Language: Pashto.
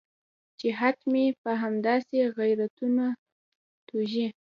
چې حتمي به همداسې غیرتونه توږي.